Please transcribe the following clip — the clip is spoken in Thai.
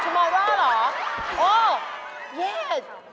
ชมอร่าหรอโอ้เย็ด